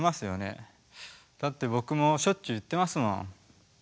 だって僕もしょっちゅう言ってますもん。